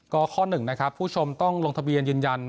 ก็ข้อหนึ่งนะครับผู้ชมต้องลงทะเบียนยืนยัน